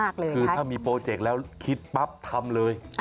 คือถ้ามีโปรเจกต์แล้วคิดปั๊บทำเลย